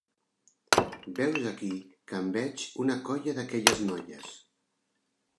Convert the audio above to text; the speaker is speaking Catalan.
Veus aquí que em veig una colla d'aquelles noies